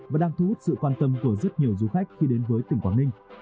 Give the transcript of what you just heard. và đang thu hút sự quan tâm của rất nhiều du khách khi đến với tỉnh quảng ninh